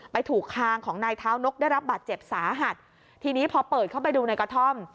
ถูกคางของนายเท้านกได้รับบาดเจ็บสาหัสทีนี้พอเปิดเข้าไปดูในกระท่อม